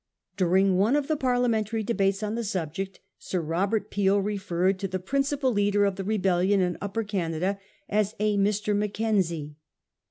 During one of the Parlia mentary debates on the subject, Sir Robert Peel re ferred to the principal leader of the rebellion in Upper Canada as ' a Mr. Mackenzie.